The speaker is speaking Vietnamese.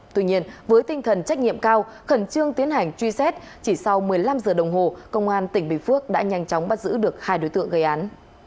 tuy nhiên với tinh thần trách nhiệm cao khẩn trương tiến hành truy xét chỉ sau một mươi năm giờ đồng hồ công an tỉnh bình phước đã nhanh chóng bắt giữ được hai đối tượng gây án